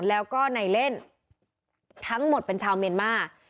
แล้วก็ในเล่นทั้งหมดเป็นชาวเมียนมาร์